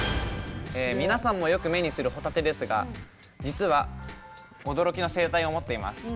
皆さんもよく目にするホタテですが実は驚きの生態を持っています。